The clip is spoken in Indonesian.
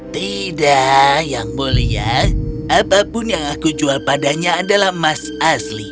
tidak yang mulia apapun yang aku jual padanya adalah emas asli